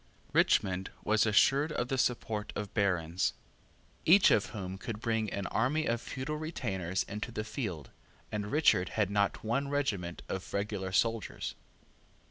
Richmond was assured of the support of barons, each of whom could bring an army of feudal retainers into the field; and Richard had not one regiment of regular soldiers.